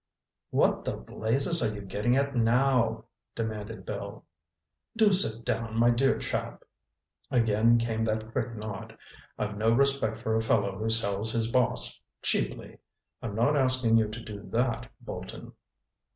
"What the blazes are you getting at now?" demanded Bill. "Do sit down, my dear chap." Again came that quick nod. "I've no respect for a fellow who sells his boss—cheaply. I'm not asking you to do that, Bolton."